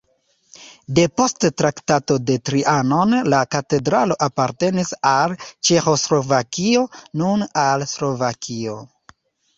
Depost Traktato de Trianon la katedralo apartenis al Ĉeĥoslovakio, nun al Slovakio.